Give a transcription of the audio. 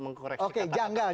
mengkoreksikan oke janggal